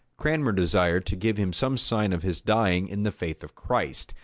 Cranmer desired him to give some sign of his dying in the faith of Christ.